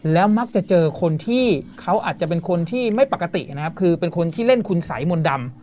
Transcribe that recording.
แล้วมักจะเจอคนที่เขาอาจจะเป็นคนที่ไม่ปกตินะครับคือเป็นคนที่เล่นคุณสัยมนต์ดำ